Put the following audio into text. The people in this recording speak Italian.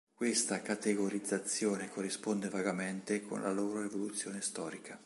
Questa categorizzazione corrisponde vagamente con la loro evoluzione storica.